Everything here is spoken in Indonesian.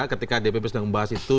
ketika dpp sedang membahas itu